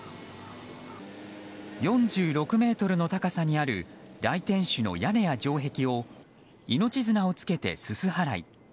４６ｍの高さにある大天守の屋根や城壁を命綱をつけてすす払い。